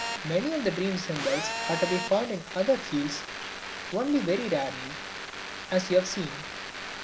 Many of the dream symbols are to be found in other fields only very rarely, as you have seen.